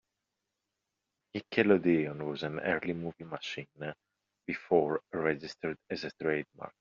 "Nickelodeon" was an early movie machine before registered as a trademark.